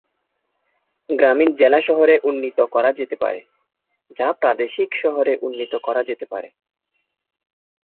গ্রামীণ জেলা শহরে উন্নীত করা যেতে পারে, যা প্রাদেশিক শহরে উন্নীত করা যেতে পারে।